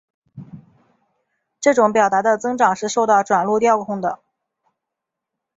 这种表达的增长是受到转录调控的。